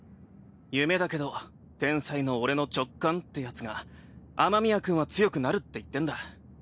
夢だけど天才の俺の直感ってやつが雨宮君は強くなるって言ってんだ。